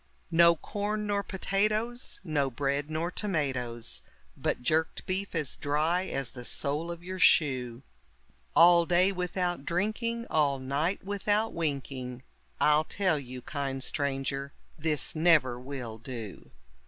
No corn nor potatoes, no bread nor tomatoes, But jerked beef as dry as the sole of your shoe; All day without drinking, all night without winking, I'll tell you, kind stranger, this never will do.